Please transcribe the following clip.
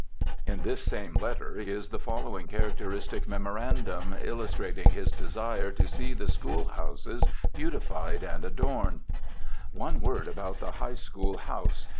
In this same letter is the following characteristic memorandum, illustrating his desire to see the school houses beautified and adorned. 'One word about the High School House.